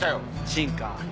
シンカー。